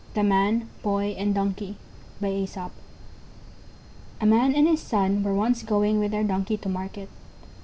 THE MAN, THE BOY, AND DONKEY A man and his son were once going with their Donkey to market.